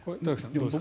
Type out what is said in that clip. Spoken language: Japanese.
どうですか。